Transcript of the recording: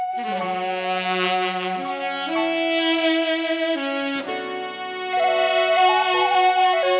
มันนอกปีนี้มีงานวัดเหมือนปีก่อน